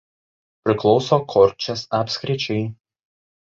Priklauso Korčės apskričiai.